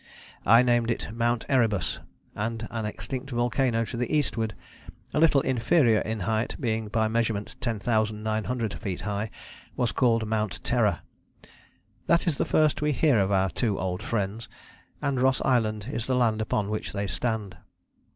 I named it Mount Erebus, and an extinct volcano to the eastward, little inferior in height, being by measurement ten thousand nine hundred feet high, was called Mount Terror." That is the first we hear of our two old friends, and Ross Island is the land upon which they stand.